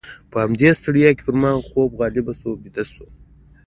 په همدې ستړیا کې پر ما هم خوب غالبه شو او بیده شوم.